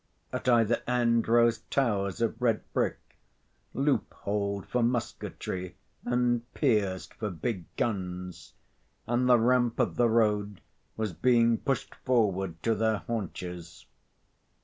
At either end rose towers, of red brick, loopholed for musketry and pierced for big guns, and the ramp of the road was being pushed forward to their haunches.